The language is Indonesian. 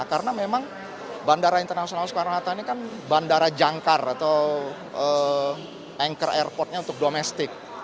karena memang bandara internasional soekarno hatta ini kan bandara jangkar atau anchor airportnya untuk domestik